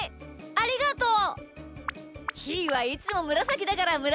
ありがとう。